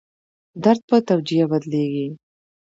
درد په توجیه بدلېږي.